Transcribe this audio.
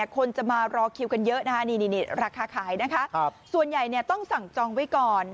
คนจะมารอคิวกันเยอะราคาขายส่วนใหญ่ต้องสั่งจองไว้ก่อน